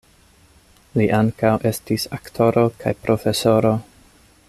Li ankaŭ estis aktoro kaj profesoro.